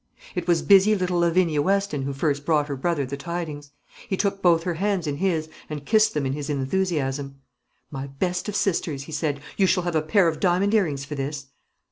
It was busy little Lavinia Weston who first brought her brother the tidings. He took both her hands in his, and kissed them in his enthusiasm. "My best of sisters," he said, "you shall have a pair of diamond earrings for this."